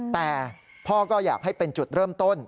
แต่พ่อก็อยากให้เป็นจุดเริ่มต้น